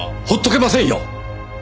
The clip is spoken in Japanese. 放っとけませんよ！